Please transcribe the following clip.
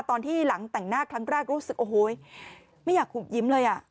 ตอนที่หลังแต่งหน้าครั้งแรกรู้สึกโอ้โหไม่อยากหุบยิ้มเลยอ่ะ